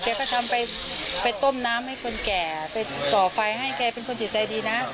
ทำไปไปต้มน้ำให้คนแก่ไปก่อไฟให้แกเป็นคนจิตใจดีนะ